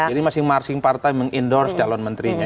jadi masing masing partai meng endorse calon menterinya